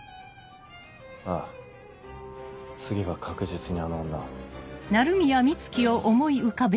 ああ次は確実にあの女を。